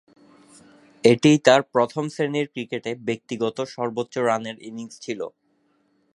এটিই তার প্রথম-শ্রেণীর ক্রিকেটে ব্যক্তিগত সর্বোচ্চ রানের ইনিংস ছিল।